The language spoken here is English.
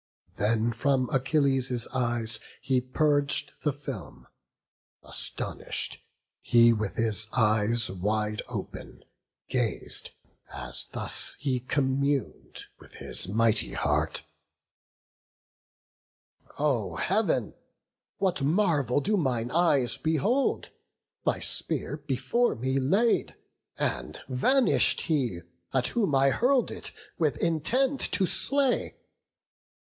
Then from Achilles' eyes he purg'd the film: Astonish'd, he with eyes wide open gaz'd, As thus he commun'd with his mighty heart: "O Heav'n, what marvel do mine eyes behold? My spear before me laid, and vanish'd he At whom I hurl'd it with intent to slay!